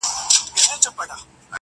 شېرینو نور له لسټوڼي نه مار باسه.